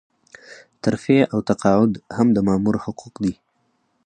ترفيع او تقاعد هم د مامور حقوق دي.